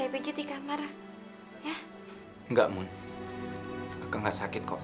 berhenti atau aku lakuin kalau manages haya abadi ke arah kamu